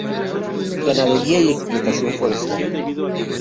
Ganadería y explotación forestal.